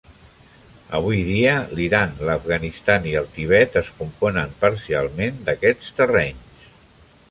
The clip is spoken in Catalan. Avui dia, l'Iran, l'Afganistan i el Tibet es componen parcialment d'aquests terrenys.